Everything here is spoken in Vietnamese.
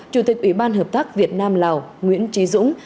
chủ tịch ủy ban hợp tác việt nam lào nguyễn trí dũng